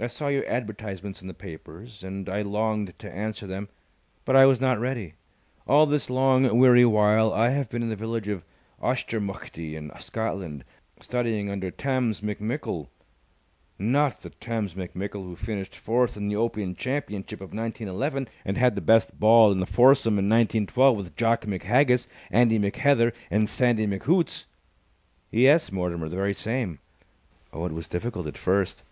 I saw your advertisements in the papers, and I longed to answer them, but I was not ready. All this long, weary while I have been in the village of Auchtermuchtie, in Scotland, studying under Tamms McMickle." "Not the Tamms McMickle who finished fourth in the Open Championship of 1911, and had the best ball in the foursome in 1912 with Jock McHaggis, Andy McHeather, and Sandy McHoots!" "Yes, Mortimer, the very same. Oh, it was difficult at first.